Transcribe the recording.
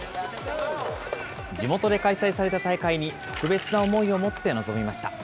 地元で開催された大会に特別な思いを持って臨みました。